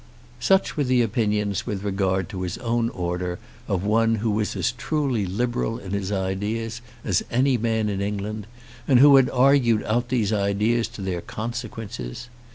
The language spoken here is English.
Such were the opinions with regard to his own order of one who was as truly Liberal in his ideas as any man in England, and who had argued out these ideas to their consequences.